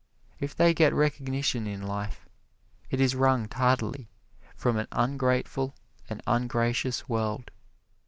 If they get recognition in life, it is wrung tardily from an ungrateful and ungracious world.